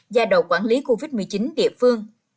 và đầu quản lý covid một mươi chín địa phương